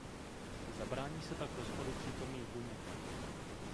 Zabrání se tak rozpadu přítomných buněk.